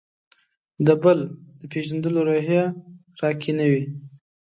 د «بل» د پېژندلو روحیه راکې نه وي.